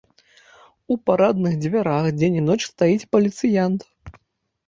У парадных дзвярах дзень і ноч стаіць паліцыянт.